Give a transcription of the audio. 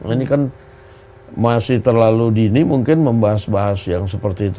ini kan masih terlalu dini mungkin membahas bahas yang seperti itu